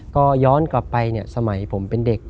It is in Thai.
ก็ย้อนกลับไปเนี่ยสมัยผมเป็นเด็ก